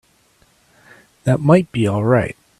That might be all right.